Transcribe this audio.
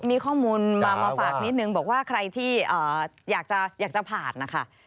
มีข้อมูลมาฝากนิดนึงบอกว่าใครที่อยากจะผ่านนะคะ